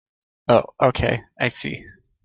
Oh okay, I see.